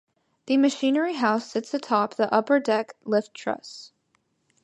The machinery house sits atop the upper-deck lift truss.